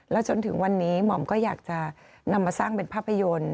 จนถึงวันนี้หม่อมก็อยากจะนำมาสร้างเป็นภาพยนตร์